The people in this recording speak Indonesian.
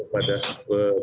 pada sepeda sakit